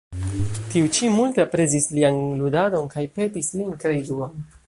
Tiu ĉi multe aprezis lian ludadon kaj petis lin krei Duan.